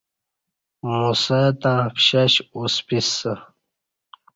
موسہ تں پشش اُسپِسہ